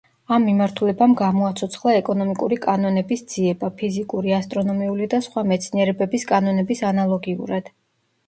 ამ მიმართულებამ „გამოაცოცხლა“ ეკონომიკური კანონების ძიება, ფიზიკური, ასტრონომიული და სხვა მეცნიერებების კანონების ანალოგიურად.